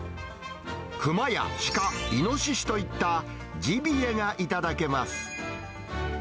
クマやシカ、イノシシといったジビエが頂けます。